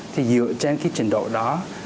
thì dựa trên cái trình độ đó